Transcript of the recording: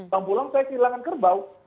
pampulang saya kehilangan kerbau